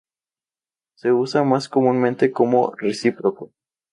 Se usa más comúnmente como recíproco.